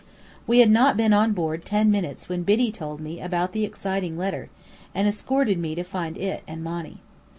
We had not been on board ten minutes when Biddy told me about the exciting letter, and escorted me to find it and Monny.